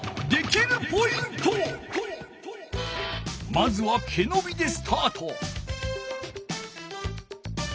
まずはけのびでスタート。